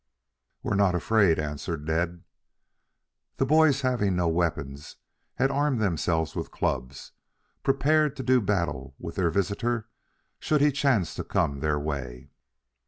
"We're not afraid," answered Ned. The boys, having no weapons, had armed themselves with clubs, prepared to do battle with their visitor should he chance to come their way.